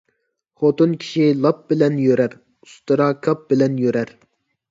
خوتۇن كىشى لاپ بىلەن يۈرەر، ئۇستىرا كاپ بىلەن يۈرەر